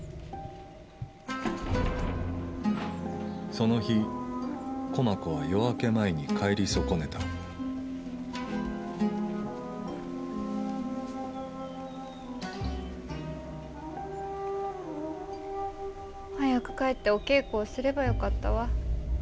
その日駒子は夜明け前に帰り損ねた早く帰ってお稽古をすればよかったわ。